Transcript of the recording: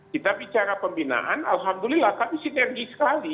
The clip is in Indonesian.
kita bicara pembinaan alhamdulillah tapi sinergi sekali